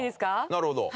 なるほど。